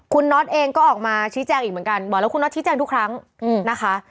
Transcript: คุณน็อตเองก็ออกมาชี้แจงอีกเหมือนกันบอกแล้วคุณน็อตชี้แจงทุกครั้งนะคะ